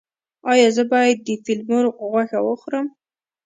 ایا زه باید د فیل مرغ غوښه وخورم؟